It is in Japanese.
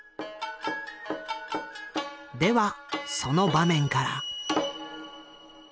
ではその場面から。